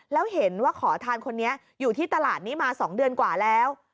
แล้วเห็นว่าขอทานคนนี้อยู่ที่ตลาดนี้มา๒เดือนกว่าแล้ว